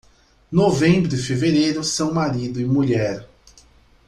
Novembro e fevereiro são marido e mulher.